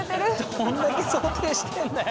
どんだけ想定してんだよ。